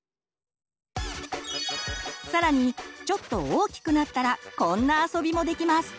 更にちょっと大きくなったらこんな遊びもできます！